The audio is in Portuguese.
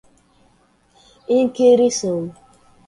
inquirição